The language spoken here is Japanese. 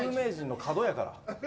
角やから。